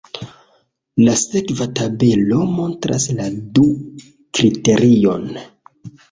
La sekva tabelo montras la du kriteriojn.